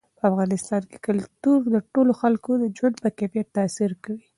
په افغانستان کې کلتور د ټولو خلکو د ژوند په کیفیت تاثیر کوي.